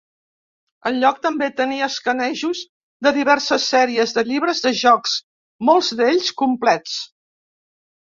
El lloc també tenia escanejos de diverses sèries de llibres de jocs, molts d'ells complets.